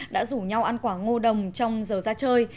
đã rủ nhau ăn quả ngô đồng trong giờ ra chơi